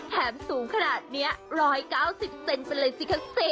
แถมสูงขนาดเนี้ยร้อยเก้าสิบเซ็นต์เป็นไรซิ